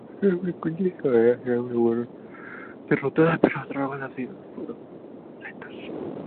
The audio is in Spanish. Sus frecuentes salidas siempre fueron derrotadas, pero los trabajos de asedio fueron lentos.